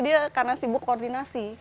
dia karena sibuk koordinasi